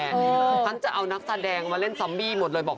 พีอีกแล้วเหรอแม่ประวัติศาสตร์เลยนะแกคุณผู้ชมนี่ตอนค่ำมืดเนี่ยค่ะ